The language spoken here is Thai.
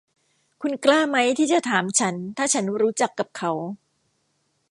คุณกล้ามั้ยที่จะถามฉันถ้าฉันรู้จักกับเขา